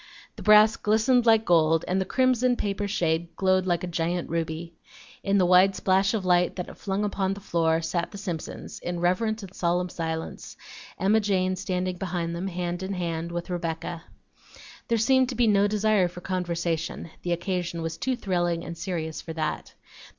The brass glistened like gold, and the crimson paper shade glowed like a giant ruby. In the wide splash of light that it flung upon the floor sat the Simpsons, in reverent and solemn silence, Emma Jane standing behind them, hand in hand with Rebecca. There seemed to be no desire for conversation; the occasion was too thrilling and serious for that.